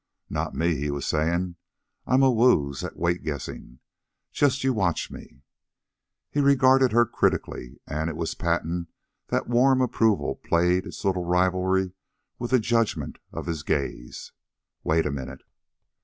"Not me," he was saying. "I'm a wooz at weight guessin'. Just you watch me." He regarded her critically, and it was patent that warm approval played its little rivalry with the judgment of his gaze. "Wait a minute."